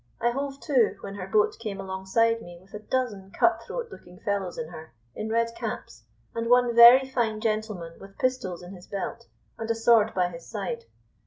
I hove to, when her boat came alongside me with a dozen cut throat looking fellows in her, in red caps, and one very fine gentleman with pistols in his belt, and a sword by his side.